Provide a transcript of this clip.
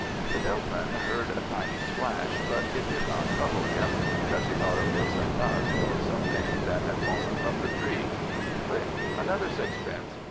The Milkman heard a tiny splash, but it did not trouble him, because he thought it was a nut or something that had fallen from the tree. Click! another sixpence.